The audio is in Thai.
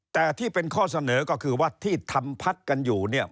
แต่ที่เป็นข้อเสนอก็คือว่าที่ทำพักกันอยู่เนี่ย